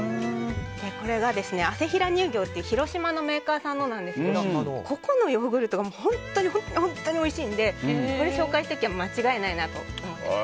これが、あせひら乳業という広島のメーカーさんのなんですがここのヨーグルトが本当に本当においしいのでこれを紹介しておけば間違いないなと。